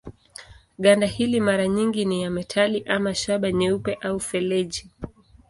Ganda hili mara nyingi ni ya metali ama shaba nyeupe au feleji.